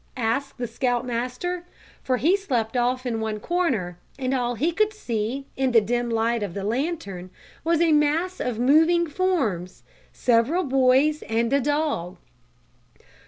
asked the Scout Master, for he slept off in one corner, and all he could see, in the dim light of the lantern, was a mass of moving forms several boys and a dog.